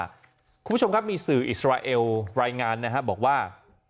คุณผู้ชมครับมีสื่ออิสราเอลรายงานนะครับบอกว่า